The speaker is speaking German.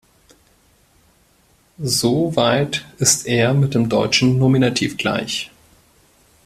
So weit ist er mit dem deutschen Nominativ gleich.